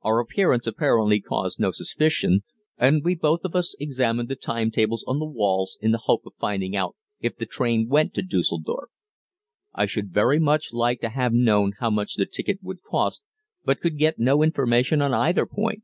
Our appearance apparently caused no suspicion, and we both of us examined the time tables on the walls in the hope of finding out if the train went to Düsseldorf. I should very much like to have known how much the ticket would cost, but could get no information on either point.